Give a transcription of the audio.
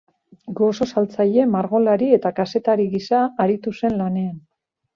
Gozo-saltzaile, margolari eta kazetari gisa aritu zen lanean.